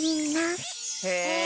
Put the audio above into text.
へえ！